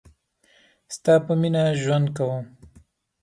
ستا په میینه ژوند کوم